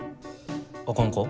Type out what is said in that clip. あかんか？